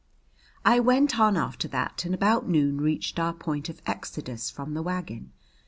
I went on after that and about noon reached our point of exodus from the wagon.